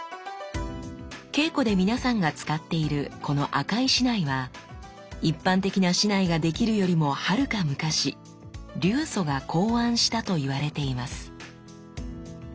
稽古で皆さんが使っているこの赤い竹刀は一般的な竹刀が出来るよりもはるか昔流祖が考案したと言われています。